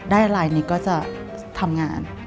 ได้อะไรนิดก็จะทำงาน